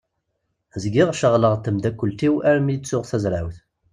Zgiɣ ceɣleɣ d temddakelt-iw alammi i ttuɣ tazrawt.